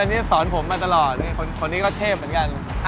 อันนี้สอนผมมาตลอดคนที่นี่อันนี้เทพเหมือนกัน